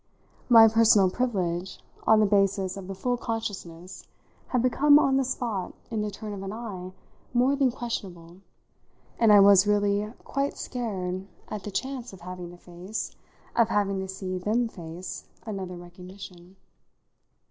My personal privilege, on the basis of the full consciousness, had become, on the spot, in the turn of an eye, more than questionable, and I was really quite scared at the chance of having to face of having to see them face another recognition.